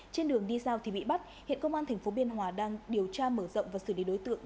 trên đường đi giao thì bị bắt hiện công an tp biên hòa đang điều tra mở rộng và xử lý đối tượng